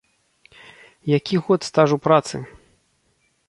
Які год стажу працы?